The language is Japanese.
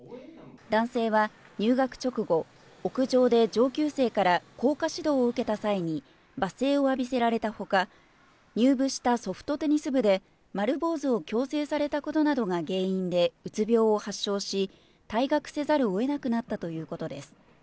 男性は入学直後、屋上で上級生から校歌指導を受けた際、罵声を浴びせられたほか、入部したソフトテニス部で丸坊主を強制されたことなどが原因でうつ病を発症し、退学せざるをえなくなったということです。